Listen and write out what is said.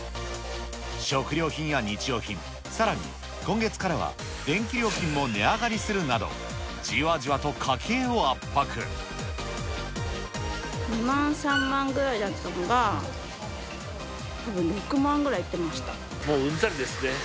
食料品や日用品、さらに今月からは電気料金も値上がりするなど、じわじわと家計を２万、３万ぐらいだったのが、もううんざりですね。